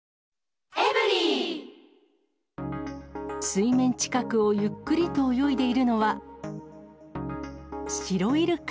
水面近くをゆっくりと泳いでいるのは、シロイルカ。